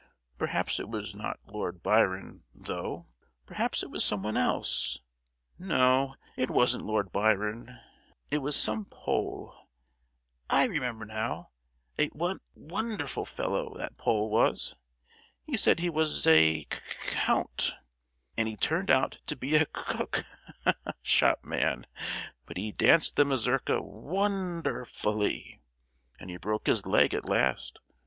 Perhaps it was not Lord Byron, though, perhaps it was someone else; no, it wasn't Lord Byron, it was some Pole; I remember now. A won—der ful fellow that Pole was! He said he was a C—Count, and he turned out to be a c—cook—shop man! But he danced the mazurka won—der—fully, and broke his leg at last.